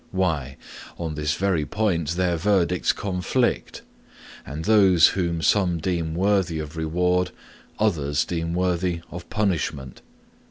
Why, on this very point their verdicts conflict, and those whom some deem worthy of reward, others deem worthy of punishment.